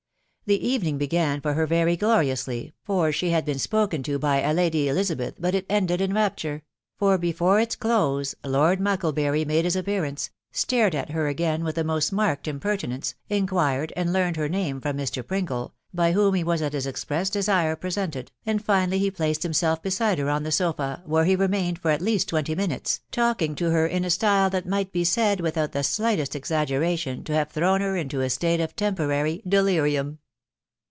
The evening began for her very gloriously, for she had been spoken to by a Lady Elizabeth ! but it ended in rapture, .... for, before its x 4 SIX THE WIDOW BARNABY* close, Lord Mucklebury made his appearance, stared ather agtui with the most marked impertinence, inquired and learned her name from Mr. Pringle, by whom he was at his express dean presented, and finally he placed himself beside her on the son, where he remained for at least twenty minutes, *Wllriwg to her in a style that might be said without the slightest exaggeration to have thrown her into a state of temporary delirium.